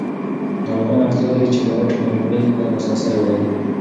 ناروغان اړتیا لري چې ژر ټېکنالوژۍ ته لاسرسی ولري.